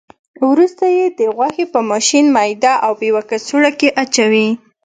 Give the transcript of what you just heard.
وروسته یې د غوښې په ماشین میده او په یوه کڅوړه کې اچوي.